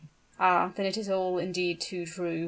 "Ah! then it is all indeed too true!"